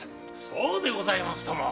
そうでございますとも！